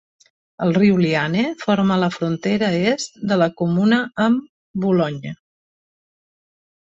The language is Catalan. El riu Liane forma la frontera est de la comuna amb Boulogne.